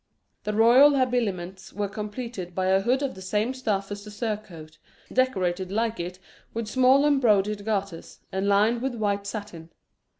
The royal habiliments were completed by a hood of the same stuff as the surcoat, decorated like it with small embroidered garters, and lined with white satin.